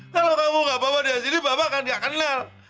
kalau kamu nggak bawa dia di sini bapak kan nggak kenal